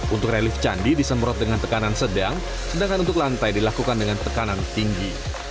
untuk relief candi disemprot dengan tekanan sedang sedangkan untuk lantai dilakukan dengan tekanan tinggi